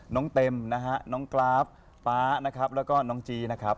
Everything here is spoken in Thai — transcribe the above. เต็มนะฮะน้องกราฟป๊านะครับแล้วก็น้องจี๊นะครับ